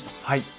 はい。